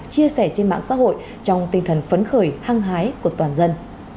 chia sẻ trên mạng xã hội trong tinh thần phấn khởi hăng hái của toàn dân